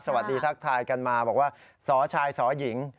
สวัสดีทักทายกันมาบอกว่าสอชายสอหญิง